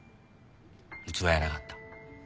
器やなかった。